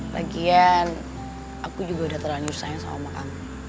lagian aku juga udah terlalu sayang sama makan